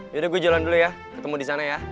yaudah gue jalan dulu ya ketemu disana ya